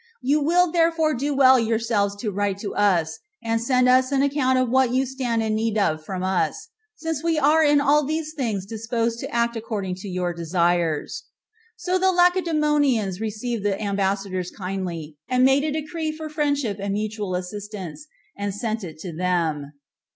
You will therefore do well yourselves to write to us, and send us an account of what you stand in need of from us, since we are in all things disposed to act according to your desires." So the Lacedemonians received the ambassadors kindly, and made a decree for friendship and mutual assistance, and sent it to them.